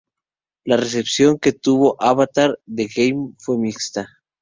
La recepción que tuvo "Avatar: The Game" fue mixta.